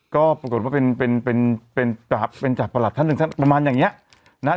ก็ปรากฏว่าเป็นเป็นจากประหลัดท่านหนึ่งท่านประมาณอย่างนี้นะครับ